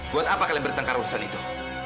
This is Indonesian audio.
buat apa kalian bertengkar urusan itu